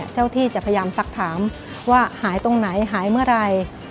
เจ้าที่จะพยายามสักถามว่าหายตรงไหนหายเมื่อไหร่